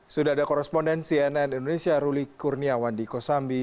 sudah ada koresponden cnn indonesia ruli kurniawan di kosambi